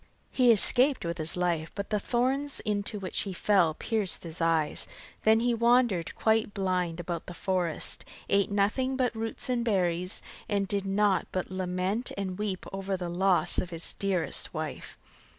He escaped with his life, but the thorns into which he fell pierced his eyes. Then he wandered quite blind about the forest, ate nothing but roots and berries, and did naught but lament and weep over the loss of his dearest wife.